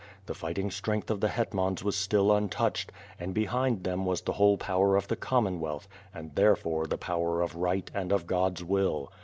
The fighting strength of the hetmans was still un touched, and behind them was the whole power of the Com monwealth and therefore the power of right and of God's will.